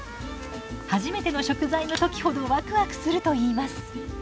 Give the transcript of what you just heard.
初めての食材の時ほどワクワクするといいます。